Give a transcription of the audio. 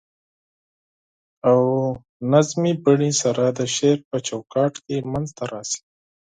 او نظمي بڼې سره د شعر په چو کاټ کي منځ ته راشي.